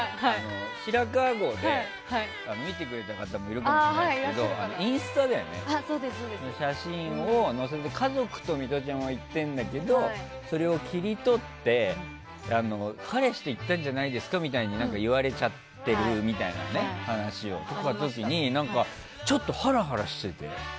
白川郷ね、見てくれた方もいるかもしれないですけどインスタに写真を載せて家族とミトちゃんは行ってるんだけどそれを切り取って彼氏と行ったんじゃないですかみたいに言われちゃってるみたいな話をした時にちょっとハラハラしてて。